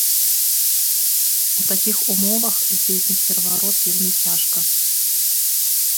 У такіх умовах здзейсніць пераварот вельмі цяжка.